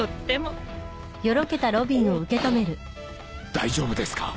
大丈夫ですか？